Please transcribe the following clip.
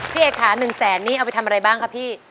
พี่เอกค่ะ๑๐๐๐๐๐บาทนี่เอาไปทำอะไรบ้างครับพี่